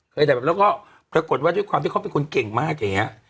แบบแล้วก็ปรากฏว่าด้วยความที่เขาเป็นคนเก่งมากอย่างเงี้ย